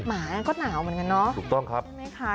หมานั่นก็หนาวเหมือนกันเนาะ